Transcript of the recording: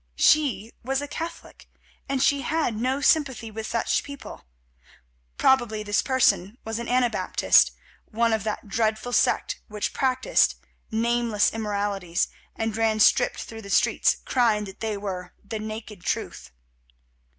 She was a Catholic and had no sympathy with such people. Probably this person was an Anabaptist, one of that dreadful sect which practised nameless immoralities, and ran stripped through the streets crying that they were "the naked Truth."